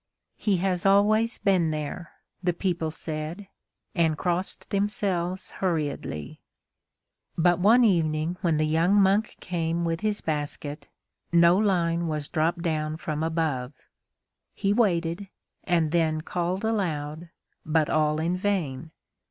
"He has always been there," the people said, and crossed themselves hurriedly. But one evening when the young monk came with his basket, no line was dropped down from above. He waited and then called aloud, but all in vain.